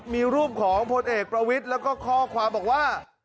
มีรูปของพลเอกประวิทย์แล้วก็ข้อความบอกว่า